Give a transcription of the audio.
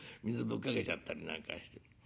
ぶっかけちゃったりなんかして。